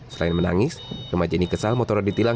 selain menangis rumah jenik kesal motornya ditilang